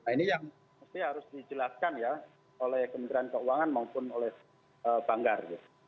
ini yang harus dijelaskan ya oleh kementerian keuangan maupun oleh banggar